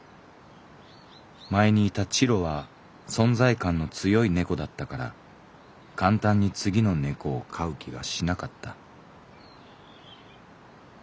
前にいたチロは存在感の強いネコだったから簡単に次のネコを飼う気がしなかった」。